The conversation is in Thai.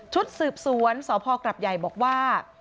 ชุดสืบสวนสพกรับใหญ่บอกว่า